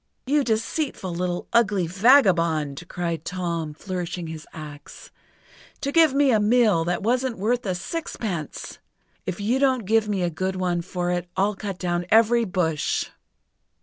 "You deceitful, little, ugly vagabond!" cried Tom, flourishing his axe, "to give me a mill that wasn't worth a sixpence! If you don't give me a good one for it, I'll cut down every bush!"